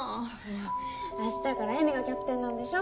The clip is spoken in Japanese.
明日からえみがキャプテンなんでしょ？